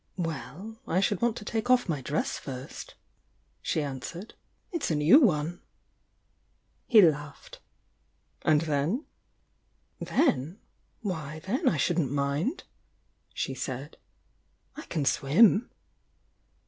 "Well, — I should want to take off mv drew first," she answered. "It's a new one." He laughed. "And then?" "Then? — Why, then I shouldn't mind!" she said. "I can swim."